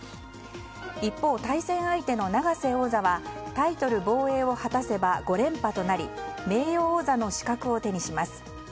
一方、対戦相手の永瀬王座はタイトル防衛を果たせば５連覇となり名誉王座の資格を手にします。